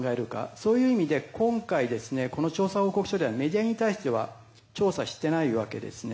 そういう意味で今回調査報告書ではメディアに対して調査していないわけですね。